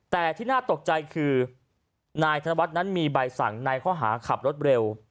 แต่ที่น่าตกใจคือนายธนวัฒน์นั้นมีใบสั่งในข้อหาขับรถเร็ว